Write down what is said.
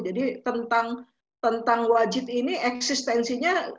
jadi tentang wajid ini eksistensinya